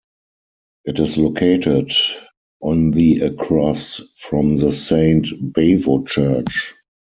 It is located on the across from the Saint Bavochurch.